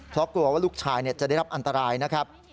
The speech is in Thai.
เพราะกลัวว่าลูกชายจะได้รับอันตรายนะครับ